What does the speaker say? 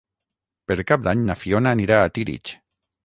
Per Cap d'Any na Fiona anirà a Tírig.